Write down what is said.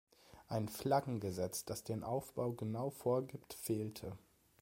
Ein Flaggengesetz, das den Aufbau genau vorgibt, fehlte.